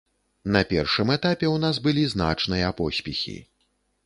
На першым этапе ў нас былі значныя поспехі.